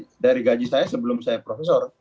lebih besar dari gaji saya sebelum saya profesor